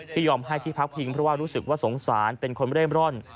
ยอมให้ที่พักพิงเพราะว่ารู้สึกว่าสงสารเป็นคนเร่มร่อน